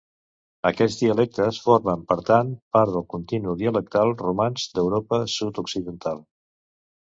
Aquests dialectes formen per tant part del continu dialectal romanç d'Europa sud-occidental.